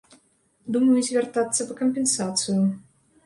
Думаю, звяртацца па кампенсацыю.